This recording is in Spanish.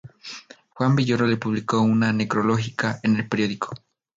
Juan Villoro le publicó una necrológica en el periódico.